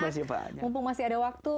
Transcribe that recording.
mumpung masih ada waktu